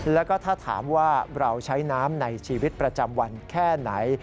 แล้วก็ถ้าถามว่าเราใช้น้ำในชีวิตประจำวันแค่ไหน